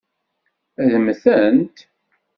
Ad mmtent?